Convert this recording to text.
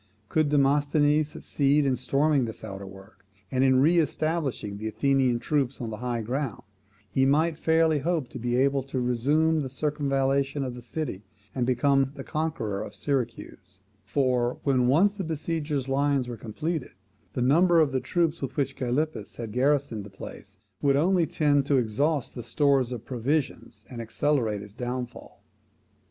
Could Demosthenes succeed in storming this outwork, and in re establishing the Athenian troops on the high ground, he might fairly hope to be able to resume the circumvallation of the city, and become the conqueror of Syracuse: for, when once the besiegers' lines were completed, the number of the troops with which Gylippus had garrisoned the place would only tend to exhaust the stores of provisions, and accelerate its downfall.